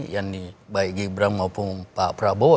yang baik gibran maupun pak prabowo